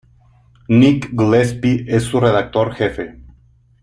Nick Gillespie es su redactor jefe.